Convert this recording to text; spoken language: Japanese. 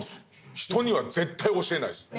人には絶対教えないです。